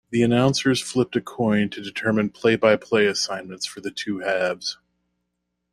The announcers flipped a coin to determine play-by-play assignments for the two halves.